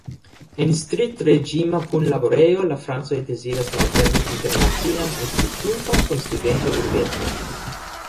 En striktreĝima punlaborejo la francoj deziras malfermi internacian instituton kun studenta urbeto.